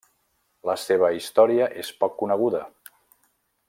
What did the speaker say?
La seva història és poc coneguda.